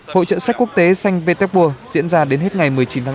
hội trợ sách quốc tế xanh vtepur diễn ra đến hết ngày một mươi chín tháng năm